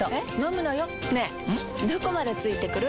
どこまで付いてくる？